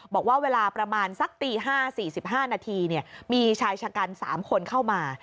บอกว่าเวลาประมาณสักตี๕๔๕นาทีมีชายชะกัน๓คนเข้ามา